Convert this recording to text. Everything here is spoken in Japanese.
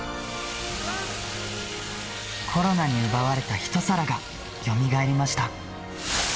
コロナに奪われた一皿がよみがえりました。